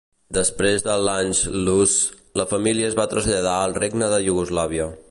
Després de l'"Anschluss", la família es va traslladar al Regne de Iugoslàvia.